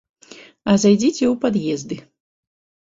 А зайдзіце ў пад'езды.